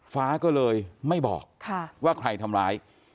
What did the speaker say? ฟ้าก็เลยไม่บอกว่าใครทำร้าย